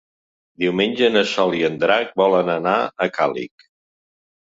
Diumenge na Sol i en Drac volen anar a Càlig.